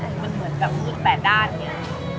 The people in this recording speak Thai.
อดแรงอะมันเหมือนกับหลุดแปดด้านเนี่ย